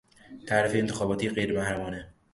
تعرفهی انتخاباتی غیرمحرمانه